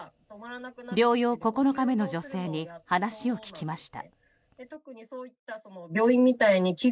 療養９日目の女性に話を聞きました。